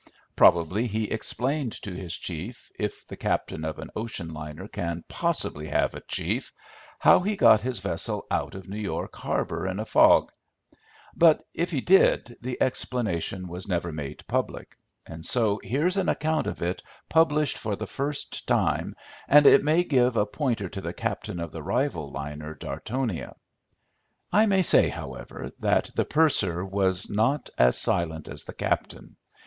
Probably he explained to his chief, if the captain of an ocean liner can possibly have a chief, how he got his vessel out of New York harbour in a fog; but, if he did, the explanation was never made public, and so here's an account of it published for the first time, and it may give a pointer to the captain of the rival liner Dartonia. I may say, however, that the purser was not as silent as the captain.